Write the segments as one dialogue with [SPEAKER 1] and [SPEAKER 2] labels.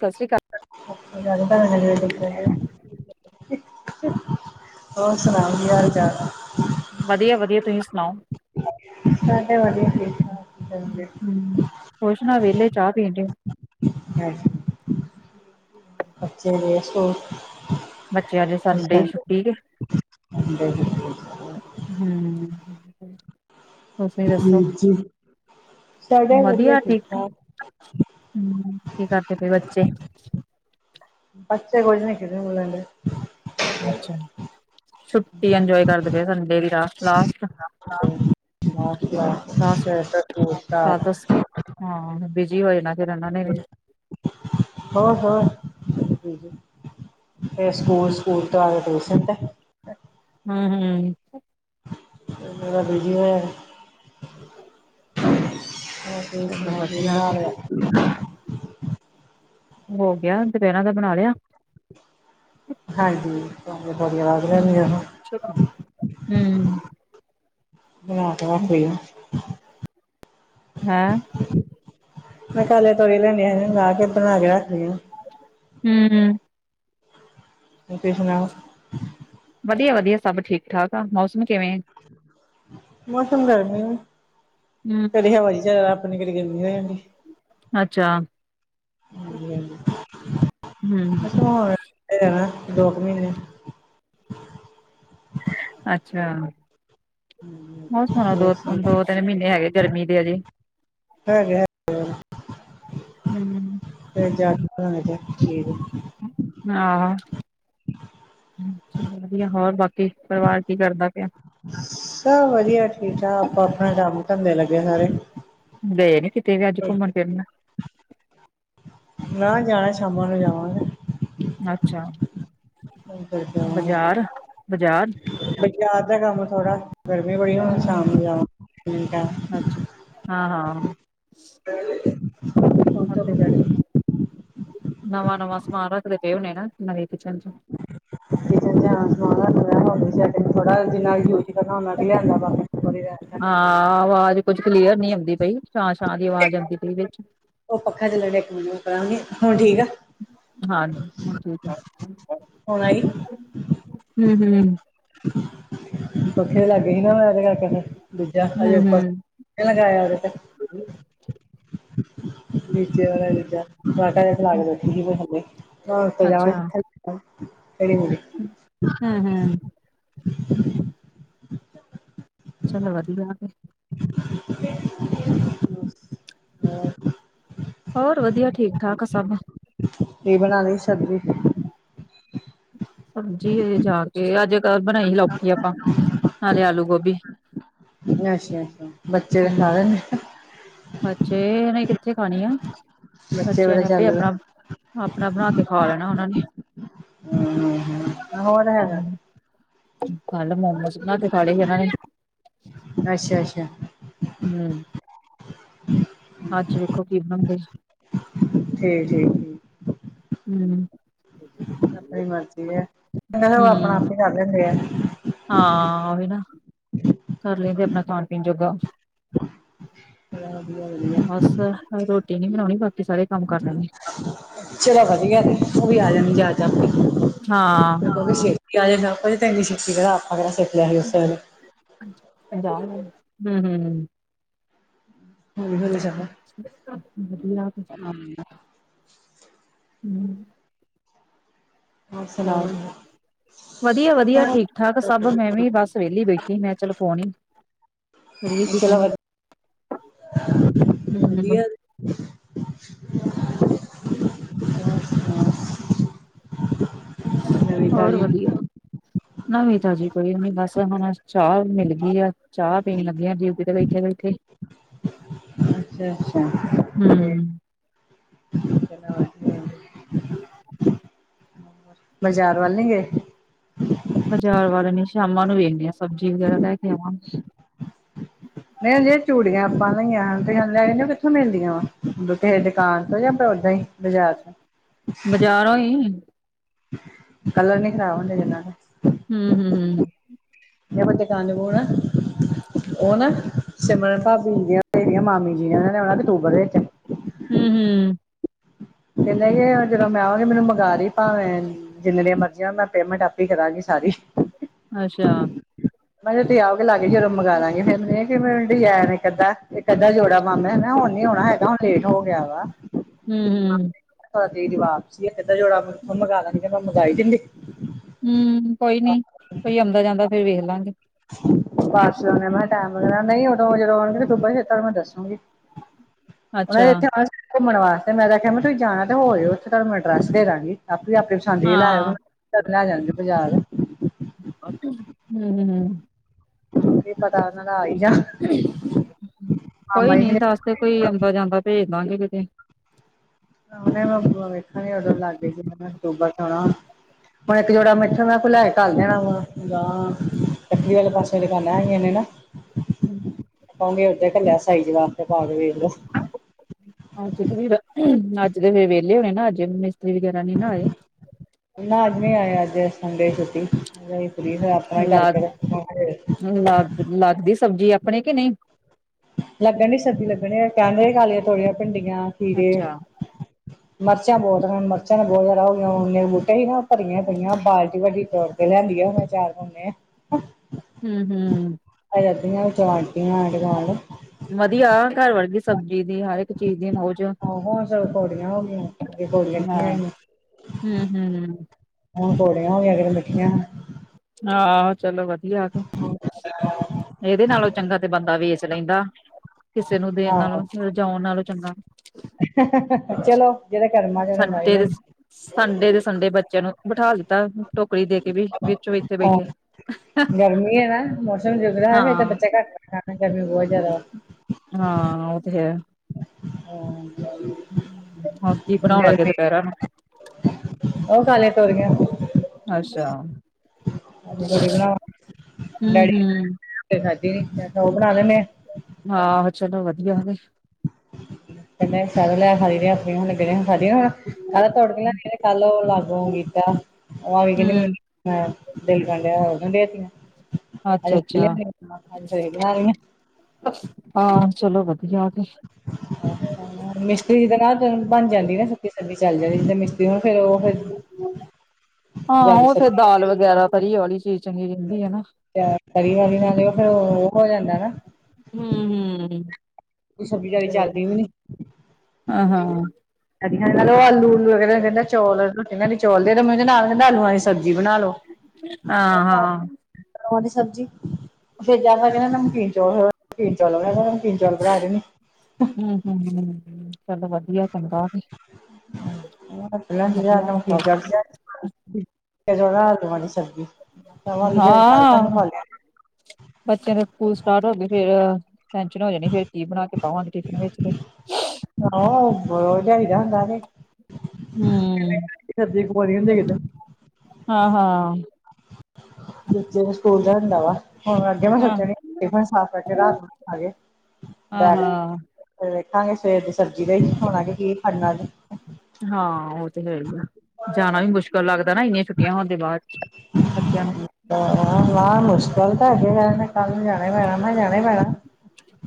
[SPEAKER 1] ਸਤਿ ਸ਼੍ਰੀ ਅਕਾਲ।
[SPEAKER 2] [inaudible] ਹੋਰ ਸੁਣਾਓ ਕੀ ਹਾਲ ਚਾਲ?
[SPEAKER 1] ਵਧੀਆ ਵਧੀਆ, ਤੁਸੀਂ ਸੁਣਾਓ?
[SPEAKER 2] ਸਾਡੇ ਵਧੀਆ ਤੁਸੀਂ ਸਣਾਓ?
[SPEAKER 1] ਹੂੰ ਹੂੰ, ਕੁੁਛ ਨਾ ਵਿਹਲੇ ਚਾਹ ਪੀਣ ਡੇ।
[SPEAKER 2] ਅੱਛੇ [unintelligible]
[SPEAKER 1] ਬੱਚਿਆਂ ਦੀ ਸੰਡੇ ਛੁੱਟੀ ਤੇ। ਹੂੰ। ਤੁਸੀਂ ਦੱਸੋ, ਵਧੀਆ ਠੀਕ ਆ। ਹੂੰ, ਕੀ ਕਰਦੇ ਪਏ ਬੱਚੇ?
[SPEAKER 2] ਬੱਚੇ ਕੁਝ ਨੀ, ਖੇਡਣ ਖੁਲਨ ਡਇਆ।
[SPEAKER 1] ਅੱਛਾ, ਛੁੱਟੀ ਇੰਜੋਏ ਕਰਦੇ ਪਏ ਸੰਡੇ ਦੀ ਰਾ ਲਾਸਟ।
[SPEAKER 2] ਹਾਂ।
[SPEAKER 1] ਲਾਸਟ ਕੱਲ ਤੋਂ
[SPEAKER 2] [inaudible]
[SPEAKER 1] ਹਾਂ, ਬਿਜੀ ਹੋ ਜਾਣਾ ਫਿਰ ਉਹਨਾਂ ਨੇ ਵੀ
[SPEAKER 2] ਹੋ ਹੋ, [unintelligible] ਫੇਰ
[SPEAKER 1] ਹੂੰ
[SPEAKER 2] ਸਕੂਲ ਸਕੂਲ ਤੋਂ ਆ ਕੇ ਟਿਊਸ਼ਨ ਤੇ।
[SPEAKER 1] ਹੂੰ ਹੂੰ।
[SPEAKER 2] [unintelligible] ਬਿਜੀ ਹੋਏ [inaudible] ਹੋਰ ਤੁਸੀਂ
[SPEAKER 1] ਚਲੋ
[SPEAKER 2] ਸੁਣਾਓ, ਕੀ
[SPEAKER 1] ਵਧੀਆ
[SPEAKER 2] ਬਣਾ
[SPEAKER 1] ਕੇ
[SPEAKER 2] ਲਿਆ?
[SPEAKER 1] ਹੋ ਗਿਆ, ਦੁਪਹਿਰਾ ਦਾ ਬਣਾ ਲਿਆ?
[SPEAKER 2] ਹਾਂਜੀ,
[SPEAKER 1] ਹੂੰ
[SPEAKER 2] [inaudible] ਬਣਾ ਕੇ ਰੱਖ ਲੀ ਆ
[SPEAKER 1] ਹੈ।
[SPEAKER 2] ਮੈਂ ਕਿਹਾ ਹਾਲੇ ਤੋਰੀ ਲੈਨੀਆ ਨੇ, ਰਾਤ ਲੀ ਬਣਾ ਕੇ ਰੱਖਦੀ ਆ।
[SPEAKER 1] ਹੂੰ ਹੂੰ।
[SPEAKER 2] ਤੁਸੀਂ ਸੁਣਾਓ?
[SPEAKER 1] ਵਧੀਆ ਵਧੀਆ ਸਭ ਠੀਕ ਠਾਕ ਆ, ਮੌਸਮ ਕਿਵੇਂ?
[SPEAKER 2] ਮੌਸਮ ਗਰਮੀ।
[SPEAKER 1] ਹੂੰ।
[SPEAKER 2] ਕਦੀ ਹਵਾ ਜੀ ਚੱਲਣ ਲੱਗ ਪੈਂਦੀ, ਕਦੀ ਗਰਮੀ ਹੋ ਜਾਂਦੀ।
[SPEAKER 1] ਅੱਛਾ।
[SPEAKER 2] ਹਾਂਜੀ ਹਾਂਜੀ,
[SPEAKER 1] ਹੂੰ,
[SPEAKER 2] ਮੋਸਮ ਹੋਣਾ ਰਹਿਣਾ ਦੋ ਕ ਮਹੀਨੇ।
[SPEAKER 1] ਅੱਛਾ, ਮੋਸਮ ਹੋਰ ਦੋ ਦੋ ਤਿੰਨ ਮਹੀਨੇ ਹੈਗੇ ਗਰਮੀ ਦੇ ਹਜੇ।
[SPEAKER 2] ਹੈਗੇ ਹੈਗੇ ਨੇ
[SPEAKER 1] ਹੂੰ,
[SPEAKER 2] ਤਿੰਨ ਚਾਰ [unintelligible]
[SPEAKER 1] ਆਹੋ ਹੂੰ, ਬਸ ਵਧੀਆ ਹੋਰ ਬਾਕੀ ਪਰਿਵਾਰ ਕੀ ਕਰਦਾ ਪਿਆ?
[SPEAKER 2] ਸਭ ਵਧੀਆ ਠੀਕ ਠਾਕ, ਆਪੋ ਆਪਣਾ ਕੰਮ ਧੰਦੇ ਲੱਗੇ ਸਾਰੇ।
[SPEAKER 1] ਗਏ ਨੀ ਕਿਤੇ ਵੀ ਅੱਜ, ਘੁੰਮਣ ਫਿਰਨ?
[SPEAKER 2] ਮੈਹਾ ਜਾਣਾ, ਸ਼ਾਮਾਂ ਨੂੰ ਜਾਵਾਂਗੇ।
[SPEAKER 1] ਅੱਛਾ।
[SPEAKER 2] ਘੁੰਮ ਫਿਰ ਕੇ ਆਵਾਂਗੇ।
[SPEAKER 1] ਬਾਜ਼ਾਰ? ਬਾਜ਼ਾਰ?
[SPEAKER 2] ਬਟ ਜ਼ਾਰ ਦਾ ਕੰਮ ਥੋੜਾਂ, ਗਰਮੀ ਬੜੀ ਹੋਣ ਸ਼ਾਮ ਨੂੰ ਜਾ ਮਿੰਟਾਂ
[SPEAKER 1] ਅੱਛ ਹਾਂ-ਹਾਂ।
[SPEAKER 2] [inaudible]
[SPEAKER 1] ਹੁਣ
[SPEAKER 2] ਧੁੱਪ
[SPEAKER 1] ਤੇ
[SPEAKER 2] ਚੜ੍ਹ ਗਈ
[SPEAKER 1] ਨਵਾਂ-ਨਵਾਂ ਸਮਾਨ ਰੱਖਦੇ ਪ‌ਏ ਹੁਨੇ ਨਾ, ਨਵੇਂ ਕਿਚਨ 'ਚ।
[SPEAKER 2] [unintelligible] ਥੋੜ੍ਹਾ ਜਿੰਨਾ ਕਿ ਅਰਾਮ ਨਾ ਦਿਆੜੀਆ [unintelligible]
[SPEAKER 1] ਹਾਂ, ਆਵਾਜ਼ ਕੁੱਝ ਕਲੀਅਰ ਨੀ ਆਉਂਦੀ ਪ ਛਾਂ-ਛਾਂ ਦੀ ਆਵਾਜ਼ ਆਉਂਦੀ ਪਈ ਵਿੱਚ।
[SPEAKER 2] ਉਹ ਪੱਖਾ ਚੱਲਣ ਡਿਆ, ਕੂਲਰ ਪਰਾ ਨੂੰ ਨੀ, ਹੁਣ ਠੀਕ ਆ।
[SPEAKER 1] ਹਾਂਜੀ, ਹੁਣ ਠੀਕ ਆ,
[SPEAKER 2] ਹੁਣ ਆਈ
[SPEAKER 1] ਹੂੰ-ਹੂੰ।
[SPEAKER 2] ਪੱਖੇ ਲਾਗੇ ਹੀ ਨਾ ਮੈਂ, ਓਦੇ ਕਰਕੇ ਦੂਜਾ ਹਜੇ ਉੱਪਰ
[SPEAKER 1] ਹੂੰ-ਹੂੰ,
[SPEAKER 2] ਇਹ ਲਗਾਇਆ ਓਦੇ ਤੇ। ਨੀਚੇ ਆਲਾ ਜਿਦਾਂ, ਮੈਂ ਤਾਂਗੇ ਫੈਲਾ ਕੇ ਬੈਠੀ ਸੀ ਜਿਹਦੇ ਥੱਲੇ‌, ਹੋਰ ਤੇ ਜਾਣ
[SPEAKER 1] ਅੱਛਾ।
[SPEAKER 2] ਕਿੱਥੇ। ਅਜੇ ਮੁੰਡੇ
[SPEAKER 1] ਹੂੰ ਹੂੰ ਚਲੋ ਵਧੀਆ ਕੇ।
[SPEAKER 2] [inaudible]
[SPEAKER 1] ਹੋਰ ਵਧੀਆ, ਠੀਕ-ਠਾਕ ਆ ਸਭ।
[SPEAKER 2] ਕੀ ਬਣਾ ਲਈ ਸਬਜ਼ੀ?
[SPEAKER 1] ਸਬਜ਼ੀ ਹਜੇ ਜਾ ਕੇ, ਅੱਜ ਕ ਬਣਾਈ ਹੀ ਲੌਕੀ ਆਪਾਂ, ਨਾਲੇ ਆਲੂ ਗੋਭੀ।
[SPEAKER 2] ਅੱਛਾ-ਅੱਛਾ ਬੱਚੇ
[SPEAKER 1] ਹੂੰ
[SPEAKER 2] ਸਾਰਿਆਂ ਨੇ
[SPEAKER 1] ਬੱਚੇ ਹਜੇ ਕਿੱਥੇ ਖਾਣੀ ਆ,
[SPEAKER 2] ਬੱਚੇ
[SPEAKER 1] ਬੱਚਿਆਂ
[SPEAKER 2] ਬੜਾ
[SPEAKER 1] ਨੇ ਆਪੇ
[SPEAKER 2] ਚਾਲੂ ਆ
[SPEAKER 1] ਆਪਣਾ ਆਪਣਾ ਬਣਾ ਕੇ ਖਾ ਲੈਣਾ ਉਹਨਾਂ ਨੇ।
[SPEAKER 2] ਹੂੰ ਹੂੰ ਹੋਰ ਹੈਗਾ
[SPEAKER 1] ਹੂੰ। ਕੱਲ੍ਹ ਮੋਮੋਜ਼ ਬਨਾਕੇ ਖਾਲੇ ਹੀ ਉਹਨਾਂ ਨੇ।
[SPEAKER 2] ਅੱਛਾ-ਅੱਛਾ।
[SPEAKER 1] ਨ‌ਈ। ਅੱਜ ਵੇਖੋ ਕੀ ਬਣਦੇ।
[SPEAKER 2] ਠੀਕ-ਠੀਕ।
[SPEAKER 1] ਹੂੰ।
[SPEAKER 2] ਆਪਣੀ ਮਰਜ਼ੀ ਐ, ਚੰਗਾ ਫਿਰ ਓ ਆਪਣਾ
[SPEAKER 1] ਹੂੰ
[SPEAKER 2] ਆਪ ਈ ਕਰ ਲੈਂਦੇ ਆ।
[SPEAKER 1] ਹਾਂ ਉਹੀ ਨਾ, ਕਰ ਲੈਂਦੇ ਆਪਣਾ ਖਾਣ-ਪੀਣ ਜੋਗਾ।
[SPEAKER 2] ਤੇ ਐਹ ਵਧੀਆ-ਵਧੀਆ।
[SPEAKER 1] ਬਸ ਰੋਟੀ ਨੀ ਬਣਾਉਣੀ, ਬਾਕੀ ਸਾਰੇ ਕੰਮ ਕਰ ਲੈਣੇ
[SPEAKER 2] ਚਲੋ ਐਹ ਵਧੀਆ ਕੇ, ਉਹ ਵੀ ਆ ਜਾਂਨੀ ਜਾਚ ਆਪੇ।
[SPEAKER 1] ਹਾਂ।
[SPEAKER 2] ਛੇਤੀੇ ਆ ਜਾਣਾ, ਉਦੋ ਤੇ ਐਨੀ ਘਲਾ ਤਾ ਬੜਾ ਛੇਤੀ ਸੀ ਉਸ ਵੇਲੇ।
[SPEAKER 1] ਇਹ ਜਾਣਗੇ ਹੂੰ-ਹੂੰ, ਹੂੰ-ਹੂੰ।
[SPEAKER 2] ਹੂੰ-ਹੂੰ।
[SPEAKER 1] ਅੱਛਾ ਵਧੀਆ ਕੇ।
[SPEAKER 2] ਨਾਹ।
[SPEAKER 1] ਹੂੰ-ਹੂੰ।
[SPEAKER 2] ਸੁਣਾਂ ਦਵੋ।
[SPEAKER 1] ਵਧੀਆ-ਵਧੀਆ, ਠੀਕ-ਠਾਕ ਸਭ। ਮੈਂ ਵੀ ਬਸ ਵਿਹਲੀ ਬੈਠੀ ਮੈਂ ਚਲ ਫੋਨ ਈ ਪਰੀਐ ਕਿਸੇ
[SPEAKER 2] ਚਲੋ
[SPEAKER 1] ਨੂੰ,
[SPEAKER 2] ਵਧ ਵਧੀਆ
[SPEAKER 1] ਹੂੰ। ਹੂੰ।
[SPEAKER 2] ਹੋਰ ਸੁਣਾਓ ਨਵੀਂ
[SPEAKER 1] ਹੋਰ
[SPEAKER 2] ਤਾਜ਼ੀ
[SPEAKER 1] ਵਧੀਆ, ਨਵੀਂ ਤਾਜੀ ਕੋਈ ਨੀ ਬੱਸ- ਚਾਹ ਮਿਲ ਗਈ ਆ ਚਾਹ ਪੀਣ ਲੱਗੀ ਆ ਜਿਊ ਪੀ ਕਲ ਐਥੈ ਬੈਠੇ।
[SPEAKER 2] ਅੱਛਾ- ਅੱਛਾ।
[SPEAKER 1] ਹੂੰ।
[SPEAKER 2] ਤੇ [unintelligible] ਬਾਜ਼ਾਰ ਵੱਲ ਨੀ ਗਏ?
[SPEAKER 1] ਬਾਜ਼ਾਰ ਵਾਲੇ ਨੀ ਸ਼ਾਮਾਂ ਨੂੰ ਵੇਖਦੇ ਆ ਸਬਜ਼ੀ ਵਗੈਰਾ ਲੈ ਕੇ ਆਵਾਂ।
[SPEAKER 2] ਨਹੀਂਜੇ ਚੂੜੀਆਂ ਆਪਾਂ ਲਈਆਂ ਤੁਸੀ ਕਂਦੇ ਸੀ ਨਾ ਕਿੱਥੋਂ ਮਿਲਦੀਆਂ ਵਾ, ਕਿਸੇ ਦੁਕਾਨ ਤੋਂ ਜਾਂ ਓਦਾਂ ਹੀ, ਬਾਜ਼ਾਰ ਚੋ।
[SPEAKER 1] ਬਜ਼ਾਰੋ ਈ।
[SPEAKER 2] ਕਲਰ ਨੀ ਖ਼ਰਾਬ ਹੁੰਦੇ ਜਿਨਾ ਦੇ?
[SPEAKER 1] ਹੂੰ- ਹੂੰ, ਹੂੰ।
[SPEAKER 2] ਮੈਂ ਕਿਹਾ ਦੁਕਾਨ- ਦੁਕੂਨ ਹੈ। ਉਹ ਨਾ ਸਿਮਰਨ ਭਾਬੀ ਦੀਆਂਰੀਆਂ ਮਾਮੀ ਜੀ ਉਹਨਾਂ ਨੇ ਅਕਤੂਬਰ ਵਿਚ।
[SPEAKER 1] ਹੂੰ-ਹੂੰ।
[SPEAKER 2] ਕਹਿੰਦੇ ਕਿ ਜਦੋਂ ਮੈਂ ਆਵਾਂ, ਤੇ ਮੈਨੂੰ ਮਗਾ ਦਈ ਭਾਵੇਂ। ਜਿੰਨੇ ਦੀਆਂ ਮਰਜ਼ੀ, ਮੈਂ ਪੇਮੈਂਟ ਆਪੇ ਹੀ ਕਰਾਂਗੀ ਸਾਰੀ,
[SPEAKER 1] ਅੱਛੇਆ।
[SPEAKER 2] ਮੈਂ ਕਿਹਾ ਜ ਆਓਗੇ ਕੇ ਲਾਗੇ ਉਦੋਂ ਮੰਗਵਾ ਲਾਂਗੇ ਫੇਰਨ ਮ ਆ ਡਿਜਾਈ ਕੱਅੱਧਾਂ ਇਹ ਅੱਧਾ ਜੋੜਾ ਮਾਮਾ ਨਾ ਹੁਣ ਨੀ ਹੋਉਣਾ ਹੈਗਾ ਹੁਣ ਲੇਟ ਹੋ ਗਿਆ ਵਾ,
[SPEAKER 1] ਹੂੰ-ਹੂੰ।
[SPEAKER 2] ਦੀ ਵਵਾਪ ਸੀ ਏਾਂ ਜੋੜਾ ਮ ਮ ਮੰਗਵਾਣਾ ਸੀ ਤੇ ਮੈਂ ਮੰਗਈ ਦਿੰਦੀ,
[SPEAKER 1] ਹੂੰ ਕੋਈ ਨੀ ਕੋਈ ਆਉਂਦਾ ਜਾਂਦਾ ਫੇਰ ਵੇਖ ਲਾਂਗੇ,
[SPEAKER 2] ਬਸ ਉ ਮੈਂ ਕਿਹਾ ਟੈਮ ਲ ਨਹੀਂ ਉਦੋਂ ਜਦੋਂ ਆਉਣਗੇ ਦਬਾਤਾੂੰ ਮੈਂ ਦੱਸੂਗੀ। ਉਹ ਨੇ
[SPEAKER 1] ਅੱਛਾ
[SPEAKER 2] ਇੱਥੇ ਆਉਣਾ ਘੁੰਮਣ ਵਾਸਤੇ, ਮੈਂ ਆਖਿਆ ਮ ਤੁਸੀਂ ਜਾਣਾ ਤੇ ਹੋਇਓ ਉੱਥੇ ਤੁਹਾਨੂੰ ਮੈਂ ਅਡਰੈਸ ਦੇਵਾਂਗੀ। ਆਪ ਆਪੇ ਪਸੰਦ ਦੀ ਲੈ ਆਓ ਹੁਣ
[SPEAKER 1] ਹਾਂ
[SPEAKER 2] ਜਦ ਜਾਣਗੇ ਬਾਜ਼ਾਰ।
[SPEAKER 1] ਹੂੰ।
[SPEAKER 2] ਕੀ ਪਤਾ ਉਹਨਾਂ ਦਾ ਆਈ ਜਾ,
[SPEAKER 1] ਕੋਈ ਨੀ ਦੱਸ ਦੇ ਕੋਈ ਆਉਂਦਾ ਜਾਂਦਾ ਭੇਜ ਦਾਂਗੇ ਕਿਤੇ,
[SPEAKER 2] ਆ ਮੈਂ ਬ ਵੇਖਣ ਉਦੋਂ ਲੱਗ ਗਈ ਸੀ ਮ ਸੂਬਾ ਸੋਣਾ। ਹੁਣ ਇੱਕ ਜੋੜਾ ਮਿੱਠਣ ਦਾ ਫੁ ਲੈ ਕੇ ਘੱਲ ਦੇਣਾ ਹੁਣ, ਜਾਵਾਂ। ਲੱਕਰੀ ਵਾਲੇ ਪਾਸੇ ਦੁਕਾਨਾਂ ਹੈਗੀਆਂ ਨੇ ਨਾ,
[SPEAKER 1] ਹੂੰ।
[SPEAKER 2] ਪਾਉਗੇ ਉਓਧੇ [unintelligible] ਇਕੱਲਿਆ ਸਾਈ ਜ ਲ ਤੇ ਪਾ ਕੇ ਵੇਖ ਲੋ
[SPEAKER 1] ਅੱਜ ਤੇ ਫਰ ਰਖ ਤੀ ਅੱਜ ਦੇ ਫੇਰ ਵਿਹਲੇ ਹੋਣੇ ਨਾ ਅੱਜ ਮਿਸਤਰੀ ਵਗੈਰਾ ਨੀ ਨਾ ਆਏ,
[SPEAKER 2] ਨਾ ਅੱਜ ਨੀ ਆਏ ਅੱਜ ਸੰਡੇ ਦੀ ਛੁੱਟੀ ਫਰੀ ਫ ਤਾਂ ਹੀ ਕਰਕੇ ਤੇ ਫੇਰ,
[SPEAKER 1] ਨਾ। ਲੱਗਦੀ ਸਬਜ਼ੀ ਆਪਣੇ ਕਿ ਨਹੀਂ?
[SPEAKER 2] ਲੱਗਣ ਡ ਸਬਜੀ ਲੱਗਣ ਡੀ ਅਸੀਂ ਤਾਂ ਆਪ ਉਹੀ ਖਾ ਲਈ ਦੀ ਥੋੜੇਆਂ ਭਿੰਡੀਆਂ, ਖੀਰੇ।
[SPEAKER 1] ਅੱਛਾ
[SPEAKER 2] ਮਿਰਚਾਂ ਬਹੁਤ ਨੇ, ਮਿਰਚਾਂ ਬਹੁਤ ਜ਼ਿਆਦਾ ਹੋਨੇ ਬੂਟੇ ਹੀ ਨਾ ਭਰੀਆਂ ਪਈਆਂ ਬਾਲਟੀ ਇੱਕ ਵੱਡੀ ਹੋਰ। ਲਿਆਂਦੀਆਂ ਹੁਣੇ ਅਚਾਰ ਪਾਉਂਦੇ ਆ।
[SPEAKER 1] ਹੂੰ- ਹੂੰ।
[SPEAKER 2] ਪਹਿਲ ਵਟੀਆਂ ਨਾਲਡ ਨਾਲਾਲ! [inaudible]
[SPEAKER 1] ਵਧੀਆ ਘਰ ਵਰਗੀ ਸਬਜ਼ੀ ਦੀ, ਹਰ ਇੱਕ ਚੀਜ਼ ਦੀ, ਮੌਜ
[SPEAKER 2] ਆਹੋ ਹੁਣ ਸਬ ਕੌੜੀਆਂ ਹੋ ਗਈਆਂ, ਅੱਗੇ ਕੌੜੀਆਂ
[SPEAKER 1] ਹਾਂ
[SPEAKER 2] ਲਗਿਆਂ ਹੋਇਆਂ
[SPEAKER 1] ਹੂੰ ਹੂੰ
[SPEAKER 2] ਹੁਣ ਕੋੜਿਆਂ ਹੋ ਗਇਆਂ, ਅਗੇ ਤੇ ਮਿਠਿਆਂ ਐ
[SPEAKER 1] ਆਹ ਚਲੋ ਵਧੀਆ ਆ ਕੇ, ਇਹਦੇ ਨਾਲੋਂ ਚੰਗਾ ਤੇ ਬੰਦਾ ਵੇਸਟ - ਰਹਦਾ, ਕਿਸੇ ਨੂੰ ਦੇਣ
[SPEAKER 2] ਆਹੋ
[SPEAKER 1] ਨਾਲੋਂ ਫਿਰ ਰਜਉਣ ਨਾਲੋਂ ਚੰਗਾ
[SPEAKER 2] ਚਲੋ ਜਿਹੜੇ ਕਰਮਾਂ ਚ ਹੈ, ਉਹਨੇ ਖਾਈ
[SPEAKER 1] ਸੰਡੇ ਦੇ
[SPEAKER 2] ਲੈਣੀ
[SPEAKER 1] ਸੰਡੇ ਦੇ ਸੰਡੇ ਬੱਚਿਆਂ ਨੂੰ ਬਿਠਾ ਦਿੱਤਾ ਟੋਕਰੀ ਦੇ ਕੇ ਬਈ, ਵੇਚੋ
[SPEAKER 2] ਹਹ ਗਰਮੀ ਹੈ ਨਾ ਮੌਸਮ ਜੁਗ ਰਿਹਾ ਹੈ
[SPEAKER 1] ਹਾਂ
[SPEAKER 2] ਫਿਰ ਤਾਂ ਬੱਚੇ ਘੱਟ ਐ ਸ਼ਾਮ ਨੂੰ ਗਰਮੀ ਬਹੁਤ ਜ਼ਿਆਦਾ ਵੈ
[SPEAKER 1] ਹਾਂ ਉਹ ਤੇ ਹੈ।
[SPEAKER 2] ਹਾਂ!
[SPEAKER 1] ਹੁਣ ਕੀ ਬਣਾਉਣ ਲੱਗੇ
[SPEAKER 2] ਗਰਮੀ
[SPEAKER 1] ਦੁਪਹਿਰਾ ਨੂੰ
[SPEAKER 2] ਉਹ ਖਾ ਲਏ ਤੋਰੀਆਂ
[SPEAKER 1] ਅੱਛਾ ਹੂੰ-ਹੂੰ,
[SPEAKER 2] [inaudible]
[SPEAKER 1] ਹਾਂ, ਚਲੋ ਵਧੀਆ ਵੇ
[SPEAKER 2] [inaudible]
[SPEAKER 1] ਹੂੰ,
[SPEAKER 2] [inaudible]
[SPEAKER 1] ਅੱਛਾ-ਅੱਛਾ।
[SPEAKER 2] [unintelligible]
[SPEAKER 1] ਹਾਂ, ਚਲੋ ਵਧੀਆ ਤੇ
[SPEAKER 2] ਹਾ ਹਾ ਮਿਸਤਰੀ ਦੇ ਨਾ ਤੇ ਬਣ ਜਾਂਦੀ ਨਾ, ਸੁੱਕੀ ਸਬਜ਼ੀ ਚੱਲ ਜਾਂਦੀ ਜਿੱਦਾਂ ਮਿਸਤਰੀ ਨੂੰ ਉਹ ਫਿਰ [inaudible]
[SPEAKER 1] ਹਾਂ, ਉਹ ਫਿਰ
[SPEAKER 2] ਸਬਜ਼ੀ
[SPEAKER 1] ਦਾਲ ਵਗੈਰਾ, ਤਰੀ ਵਾਲੀ ਚੀਜ਼ ਚੰਗੀ ਰਹਿੰਦੀ ਹੈਨਾ।
[SPEAKER 2] ਚ, ਤਰੀ ਵਾਲੀ ਨਾਲ ਫਿਰ ਉਹ ਹੋ ਜਾਂਦਾ ਨਾ
[SPEAKER 1] ਹੂ ਹੂ ਹਾਂ-ਹਾਂ,
[SPEAKER 2] [unintelligible] [unintelligible] ਆਲੂਆਂ ਦੀ ਸਬਜ਼ੀ ਬਣਾ ਲੋ
[SPEAKER 1] ਹਾਂ-ਹਾਂ,
[SPEAKER 2] [inaudible] ਬਣਾ ਲੋ ਨਾ
[SPEAKER 1] ਹੂ ਹੂ, ਚਲੋ ਵਧੀਆ ਚੰਗਾ ਵਧੀਆ
[SPEAKER 2] [unintelligible] [unintelligible]
[SPEAKER 1] ਬੱਤਿਆਂ ਦੇ ਸਕੂਲ ਸਟਾਰਟ ਹੋਂਗੇ ਫੇਰ ਟੈਨਸ਼ਨ ਹੋ ਜਾਣੀ, ਫੇਰ ਕੀ ਬਣਾ ਕੇ ਪਾਵਾਂ ਟਿਫਨ ਵਿੱਚ ਤੇ
[SPEAKER 2] [unintelligible]
[SPEAKER 1] ਹੂੰ,
[SPEAKER 2] [unintelligible]
[SPEAKER 1] ਹਾਂ ਹਾਂ,
[SPEAKER 2] [unintelligible] [inaudible] ਉਠਾਂਗੇ
[SPEAKER 1] ਹਾਂ, ਹਾਂ-ਹਾਂ।
[SPEAKER 2] ਸਵੇਰ ਦੀ ਸਬਜ਼ੀ ਲਈ, ਹੁਣ ਆ ਕੇ ਕੀ ਖੜਣਾ ਨੇ
[SPEAKER 1] ਹਾਂ, ਉਹ ਤੇ ਹੈ ਹੀ ਏ, ਜਾਣਾ ਵੀ ਮੁਸ਼ਕਿਲ ਲੱਗਦਾ ਨਾ ਇ ਛੁੱਟੀਆਂ ਹੋਣ ਦੇ ਬਾਅਦ ਚ, ਬੱਚਿਆਂ ਨੂੰ
[SPEAKER 2] ਆਹ ਹਾਂ ਮੁਸ਼ਕਿਲ ਤਾਂ ਅਗੇ ਹੈਗੀ ਐ, ਇਨ੍ਹਾਂਨੂੰ ਕੱਲ ਨੂੰ ਜਾਣਾ ਈ ਪੈਣਾ ਨਾ, ਜਾਣਾ ਈ ਪੈਣਾ ਨਾ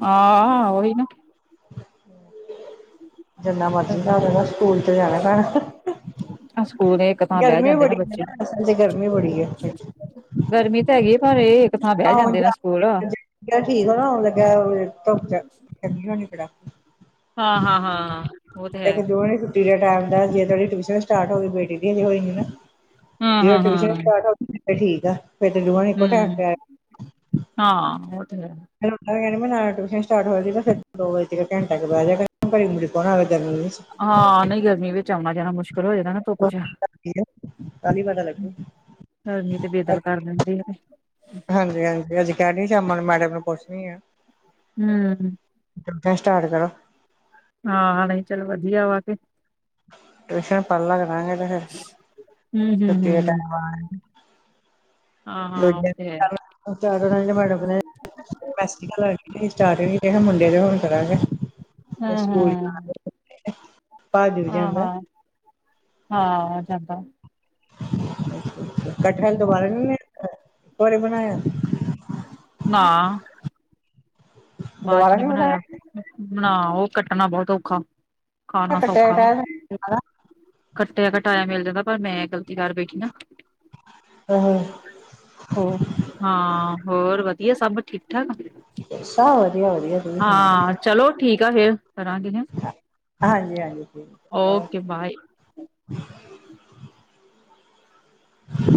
[SPEAKER 1] ਆਂਹ ਓਈ ਨਾ
[SPEAKER 2] [inaudible] ਜਿੰਨਾ ਮਰਜ਼ੀ ਕਰਲੋ ਸਕੂਲ ਚ ਜਾਣਾ ਪੈਣਾ
[SPEAKER 1] ਆ ਸਕੂਲ ਏ।
[SPEAKER 2] ਗਰਮੀ ਵੀ ਬੜੀ ਏ ਨਾ ਅਸਲ ਚ ਗਰਮੀ ਬੜੀ ਏ।
[SPEAKER 1] ਗਰਮੀ ਤਾਂ ਹੈਗੀ ਏ ਪਰ ਏ
[SPEAKER 2] ਔਣ-ਜਾਣ ਦੀ ਦਿੱਕਤ ਚ ਮੈਂ ਕੇਹਾ ਠੀਕ ਹੋ ਨਾ [unintelligible]
[SPEAKER 1] ਹਾਂ-ਹਾਂ-ਹਾਂ
[SPEAKER 2] ਤੇ ਫਿਰ ਦੋ ਵਜੇ ਛੁੱਟੀ ਟਾਈਮ ਦਾ ਜੇ ਤੁਆਂਡੀ ਟਿਊਸ਼ਨ ਸਟਾਰਟ ਹੋਗੀ ਬੇਟੀ ਦੀ ਵੀ ਹੋਏ ਗੀ ਨਾ
[SPEAKER 1] ਹਾਂ
[SPEAKER 2] ਜੇ ਓ
[SPEAKER 1] ਹਾਂ
[SPEAKER 2] ਟਿਊਸ਼ਨ
[SPEAKER 1] ਹਾਂ
[SPEAKER 2] ਸਟਾਰਟ ਹੋ ਗਈ ਫਿਰ ਤੇ ਠੀਕ ਆ ਫਿਰ ਤਾਂ ਦੋਹਾ ਨੇ ਇਕੋ ਟੈਮ
[SPEAKER 1] ਹਮ
[SPEAKER 2] ਤੇ ਆ
[SPEAKER 1] ਹਾਂ, ਓ ਤੇ ਹੈ।
[SPEAKER 2] [unintelligible]
[SPEAKER 1] ਹਾਂ ਨਈ ਗਰਮੀ ਵਿੱਚ ਆਉਣਾ-ਜਾਣਾ ਮੁਸ਼ਕਿਲ ਹੋ ਜਾਂਦਾ ਨਾ ਧੁੱਪ
[SPEAKER 2] ਕੋਨ
[SPEAKER 1] ਚ
[SPEAKER 2] ਕੀ ਕਰਦੀ ਏ ਕੱਲ ਈ ਪਤਾ ਲਗੂ।
[SPEAKER 1] ਗਰਮੀ ਚ ਬੇਦਲ ਕਰ ਦਿੰਦੇ ਆ ਤੇ
[SPEAKER 2] ਹਾਂਜੀ-ਹਾਂਜੀ, ਅੱਜ ਕਹਿ ਗਈ ਸੀ, ਅਮਨ ਮੈਡਮ ਨੂੰ ਪੁੱਛਣੀ ਨਾ।
[SPEAKER 1] ਹੂੰ-ਹਂ।
[SPEAKER 2] ਏਦਾਂ ਸਟਾਰਟ ਕਰੋ।
[SPEAKER 1] ਹਾਂ ਨਈ ਚੱਲੋ ਵਧੀਆ ਵਾ ਤੇ
[SPEAKER 2] ਟਿਊਸ਼ਨ ਪੜ ਲਾ ਕਰਾਂਗੇ ਵੀਰੇ ਫਿਰ
[SPEAKER 1] ਹਮ ਹਮ
[SPEAKER 2] ਛੁੱਟੀ ਦੇ
[SPEAKER 1] ਹਮ
[SPEAKER 2] ਟੈਮ ਬਾਰ
[SPEAKER 1] ਹਾਂ ਹਾਂ ਉਹ ਤੇ ਹੈ
[SPEAKER 2] [unintelligible] ਮੈਡਮ ਨੇ ਸਾਸ ਸ੍ਰੀ ਕਾਲ ਹੋਏ ਅਸੀ‌ ਚਾਰ ਜਣੇ ਗਏ ਮੰਡੇ ਦੇ ਹੁਣ ਕਰਾਂਗੇ। ਦੇ
[SPEAKER 1] ਹਮ
[SPEAKER 2] ਸਕੂਲ
[SPEAKER 1] ਹਮ
[SPEAKER 2] [unintelligible] ਪੱਜ ਵੀ
[SPEAKER 1] ਹਾਂ
[SPEAKER 2] ਜਾਂਦਾ।
[SPEAKER 1] ਹਾਂ ਹਾਂ ਜਾਂਦਾ।
[SPEAKER 2] ਕਟਹਲ ਦੋਬਾਰਾ ਨੀ ਘਰੇ ਬਣਾਇਆ?
[SPEAKER 1] ਨਾ। ਬਾਦ ਚ ਨੀ ਬਣਾਇਆ ਬਣਾਓ ਕੱਟਣਾ ਬੋਹਤ ਔਖਾ ਖਾਣਾ
[SPEAKER 2] ਕੱਟਿਆ
[SPEAKER 1] ਸੌਖਾ। ਕੱਟਿਆ ਕਟਾਇਆ ਮਿਲ ਜਾਂਦਾ ਪਰ ਮੈਂ ਏ ਗ਼ਲਤੀ ਕਰ ਬੈਠੀ ਆਂ।
[SPEAKER 2] ਹਹੂੰ
[SPEAKER 1] ਹੋ ਹਾਂ ਹੋਰ ਵਧੀਆ ਸਭ ਠੀਕ-ਠਾਕ।
[SPEAKER 2] ਸਭ ਵਧੀਆ-ਵਧੀਆ।
[SPEAKER 1] ਹਾਂ ਚਲੋ ਠੀਕ ਆ ਫੇਰ ਕਰਾਂਗੀ ਮੈ
[SPEAKER 2] ਹਾਂ ਹਾਂਜੀ-ਹਾਂਜੀ ਜੀ।
[SPEAKER 1] Okay bye.
[SPEAKER 2] ਹ [inaudible]